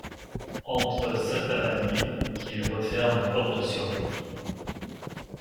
Entre Saltabadil, qui referme la porte sur lui.